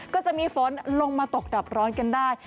ก็จะมีฝนลงมาตกดับร้อนกันได้